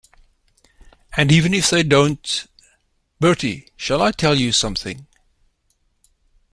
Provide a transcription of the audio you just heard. And even if they don't — Bertie, shall I tell you something?